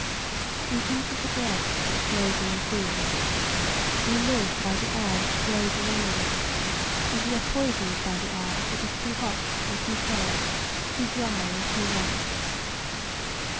We eat of the bread which grows in the field. We live by the air which blows around us and we are poisoned by the air that is too cold or too hot, too dry or too wet.